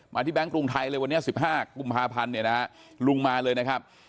ที่แก๊งกรุงไทยเลยวันนี้๑๕กุมภาพันธ์เนี่ยนะฮะลุงมาเลยนะครับ